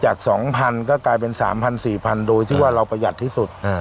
จากสองพันก็กลายเป็นสามพันสี่พันโดยที่ว่าเราประหยัดที่สุดอ่า